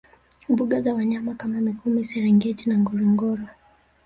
Mbuga za wanyama kama mikumi serengeti na ngorongoro